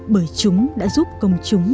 bởi chúng đã giúp công chúng